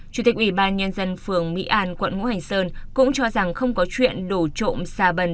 chủ tịch ủy ban nhân dân phường mỹ an quận ngũ hành sơn cũng cho rằng không có chuyện đổ trộm xà bần